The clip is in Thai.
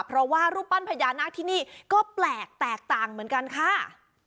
เพราะว่ารูปปั้นพญานาคที่นี่ก็แปลกแตกต่างเหมือนกันค่ะ